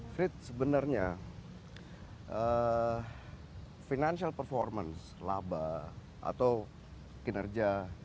frits sebenarnya financial performance laba atau kinerja